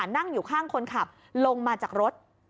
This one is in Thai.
นั่งอยู่ข้างคนขับลงมาจากรถ